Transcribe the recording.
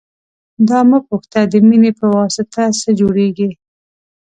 دا مه پوښته د مینې پواسطه څه جوړېږي.